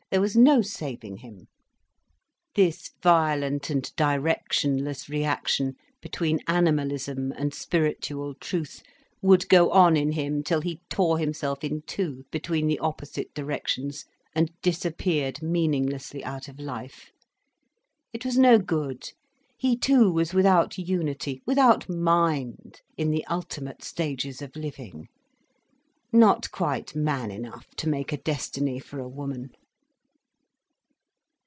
There was no saving him. This violent and directionless reaction between animalism and spiritual truth would go on in him till he tore himself in two between the opposite directions, and disappeared meaninglessly out of life. It was no good—he too was without unity, without mind, in the ultimate stages of living; not quite man enough to make a destiny for a woman.